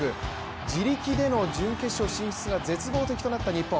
自力での準決勝進出が絶望的となった日本。